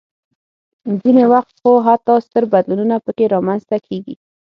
ځینې وخت خو حتی ستر بدلونونه پکې رامنځته کېږي.